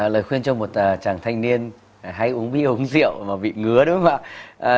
lời khuyên cho một chàng thanh niên hãy uống bia uống rượu mà bị ngứa đúng không ạ